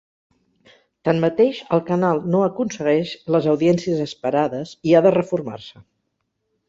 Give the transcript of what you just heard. Tanmateix, el canal no aconsegueix les audiències esperades i ha de reformar-se.